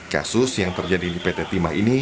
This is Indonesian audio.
kasus yang terjadi di pt timah ini